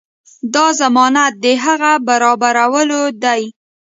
دا ضمانت د هغه برابرولو دی.